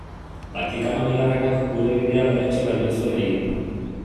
Vatikano Bigarrenak gure bidea berretsi baino ez zuen egin.